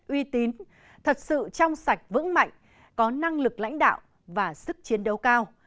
uy tín thật sự trong sạch vững mạnh có năng lực lãnh đạo và sức chiến đấu cao